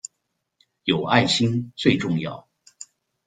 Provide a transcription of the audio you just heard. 有愛心最重要